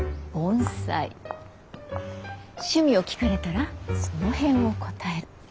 趣味を聞かれたらその辺を答える。